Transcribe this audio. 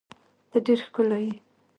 ته ډیر ښکلی یی